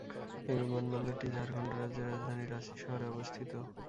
এই বিমানবন্দরটি ঝাড়খন্ড রাজ্যের রাজধানী রাঁচি শহরে অবস্থিত।